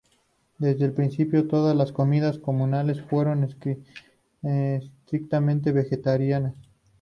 Desde el principio, todas las comidas comunales fueron estrictamente vegetarianas.